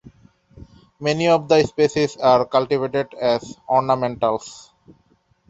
Many of the species are cultivated as ornamentals.